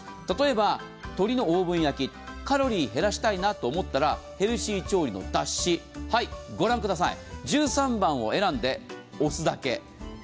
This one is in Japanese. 例えば、鶏のオーブン焼き、カロリー減らしたいと思ったらヘルシー調理の脱脂、御覧ください、１３番を選んで押すだけ。